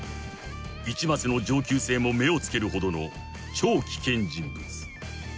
［市松の上級生も目を付けるほどの超危険人物］